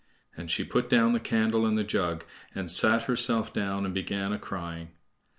And she put down the candle and the jug, and sat herself down and began a crying.